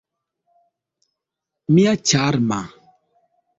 Mia ĉarma!